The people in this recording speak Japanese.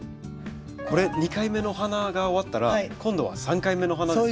これ２回目の花が終わったら今度は３回目の花ですよね。